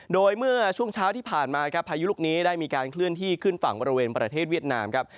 โดยเมื่อช่วงเช้าที่ผ่านมาครับพายุลูกนี้ได้มีการเคลื่อนที่ขึ้นฝั่งบริเวณประเทศเวียดนามครับ